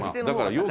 だから。